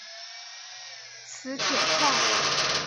磁铁矿。